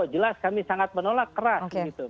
jelas kami sangat menolak keras